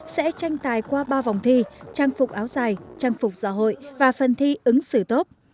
sẽ tranh tài qua ba vòng thi trang phục áo dài trang phục giả hội và phần thi ứng xử tốt